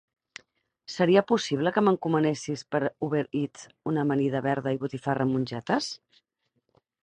Seria possible que m'encomanessis per Uber Eats una amanida verda i botifarra amb mongetes?